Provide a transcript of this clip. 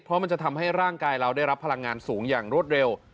เพราะมันจะทำให้ร่างกายเราได้รับพลังงานสูงอย่างรวดเร็ว